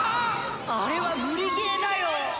・あれは無理ゲーだよ！